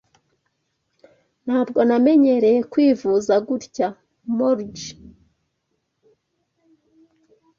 Ntabwo namenyereye kwivuza gutya. (morgyn)